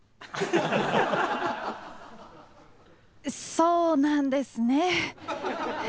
そうなんですね。